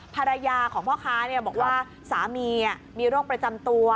ภรรยาของพ่อค้าบอกว่าสามีมีโรคประจำตัว